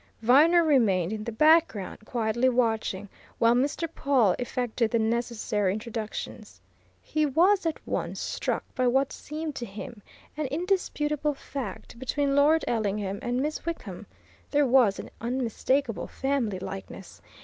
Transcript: Viner remained in the background, quietly watching, while Mr. Pawle effected the necessary introductions. He was at once struck by what seemed to him an indisputable fact between Lord Ellingham and Miss Wickham there was an unmistakable family likeness.